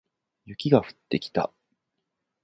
雪が降ってきた